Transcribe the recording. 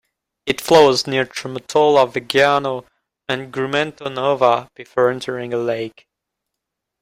It flows near Tramutola, Viggiano, and Grumento Nova before entering a lake.